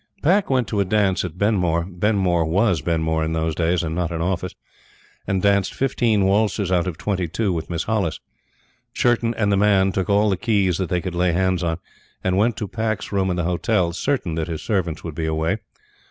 Pack went to a dance at Benmore Benmore WAS Benmore in those days, and not an office and danced fifteen waltzes out of twenty two with Miss Hollis. Churton and The Man took all the keys that they could lay hands on, and went to Pack's room in the hotel, certain that his servants would be away.